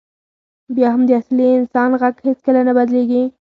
بیا هم د اصلي انسان غږ هېڅکله نه بدلېږي.